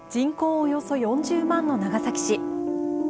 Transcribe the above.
およそ４０万の長崎市。